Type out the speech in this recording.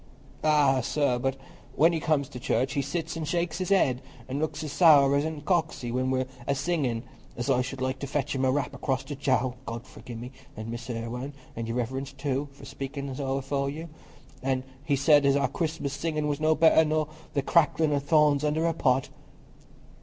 "Ah, sir, but when he comes to church, he sits an' shakes his head, an' looks as sour an' as coxy when we're a singin' as I should like to fetch him a rap across the jowl—God forgi'e me—an' Mrs. Irwine, an' Your Reverence too, for speakin' so afore you. An' he said as our Christmas singin' was no better nor the cracklin' o' thorns under a pot."